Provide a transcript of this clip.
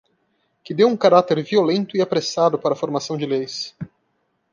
Que deu um caráter violento e apressado para a formação de leis.